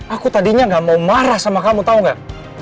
aku tadinya gak mau marah sama kamu tau gak